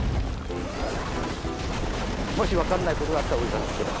もしわかんないことがあったらおじさんにきけばいい。